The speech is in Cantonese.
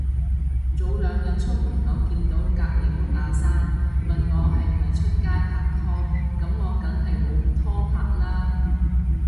早兩日出門口見到隔離屋阿生，問我係咪出街拍拖，噉我梗係冇拖拍啦